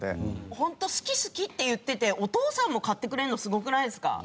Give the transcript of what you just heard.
ホント好き好きって言っててお父さんも買ってくれるのすごくないですか？